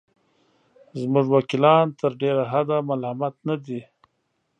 زموږ وکیلان تر ډېره حده ملامت نه دي.